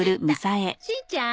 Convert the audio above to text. しんちゃん